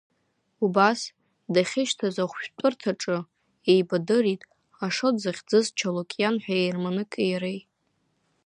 Убас дахьышьҭаз ахәшәтәырҭаҿы еибадырит Ашот захьӡыз Чолокиан ҳәа ерманыки иареи.